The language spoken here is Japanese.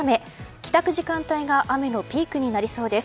帰宅時間帯が雨のピークになりそうです。